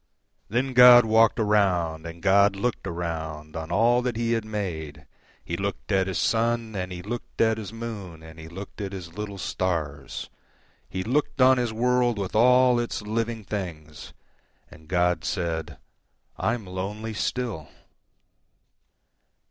Then God walked around, And God looked aroundOn all that He had made. He looked at His sun, And He looked at His moon, And He looked at His little stars; He looked on His worldWith all its living things, And God said, "I'm lonely still."